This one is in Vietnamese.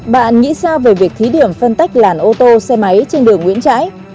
bạn nghĩ sao về việc thí điểm phân tách làn ô tô xe máy trên đường nguyễn trãi